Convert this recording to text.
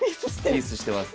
ピースしてます。